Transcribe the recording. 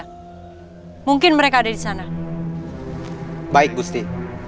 hai mungkin mereka ada di sana baik gusti